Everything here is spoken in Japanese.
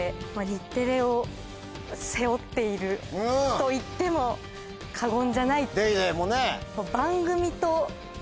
と言っても過言じゃない。